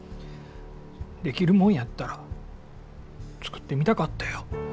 できるもんやったら作ってみたかったよ。